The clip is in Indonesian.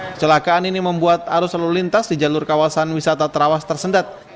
kecelakaan ini membuat arus lalu lintas di jalur kawasan wisata trawas tersendat